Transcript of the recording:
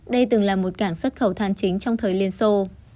đây từng là một cảng xuất khẩu than chính trong thời liên xô